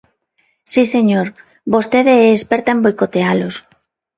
Si señor, vostede é experta en boicotealos.